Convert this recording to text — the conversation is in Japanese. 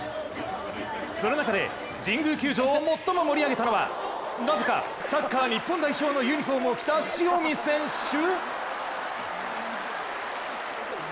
その中で、神宮球場を最も盛り上げたのはなぜかサッカー日本代表のユニフォームを着た塩見選手？